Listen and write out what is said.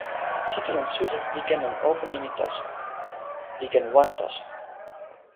sitelen suli li ken lon open nimi taso, li ken wan taso.